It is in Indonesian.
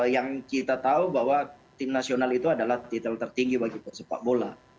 yang kita tahu bahwa tim nasional itu adalah titel tertinggi bagi sepak bola